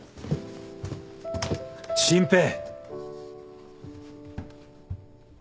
真平。